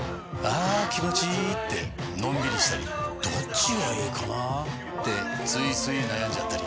あ気持ちいいってのんびりしたりどっちがいいかなってついつい悩んじゃったり。